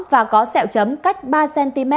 và có sẹo chấm cách ba cm